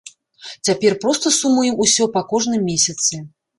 Цяпер проста сумуем усё па кожным месяцы.